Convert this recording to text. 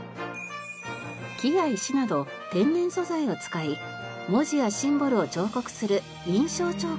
木や石など天然素材を使い文字やシンボルを彫刻する印章彫刻。